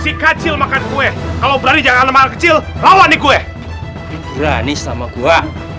si kecil makan kue kalau berani jangan kecil rawan gue berani sama gua